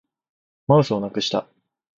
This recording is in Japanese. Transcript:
マウスをなくした